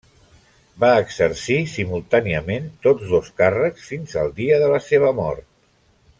Va exercir simultàniament tots dos càrrecs, fins al dia de la seva mort.